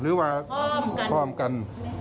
หรือว่าความกัน